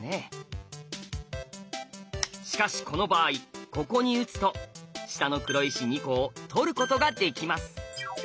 しかしこの場合ここに打つと下の黒石２個を取ることができます。